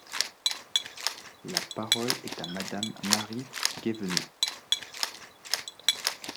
La parole est à Madame Marie Guévenoux.